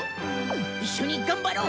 一緒に頑張ろう！